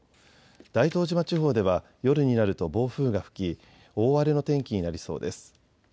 大東島地方では夜になると暴風が吹き大荒れの天気になりそうです。